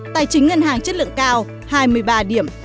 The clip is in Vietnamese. tài chính ngân hàng chất lượng cao hai mươi ba điểm